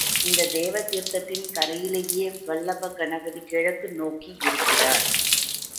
இந்த தேவ தீர்த்தத்தின் கரையிலே வல்லப கணபதி கிழக்கு நோக்கியிருக்கிறார்.